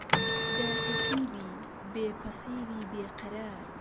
داتەپیوی، بێ پەسیوی بێ قەرار